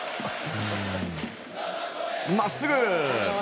まっすぐ。